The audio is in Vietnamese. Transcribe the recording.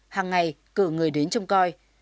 hàng ngày cửa người đến trong coi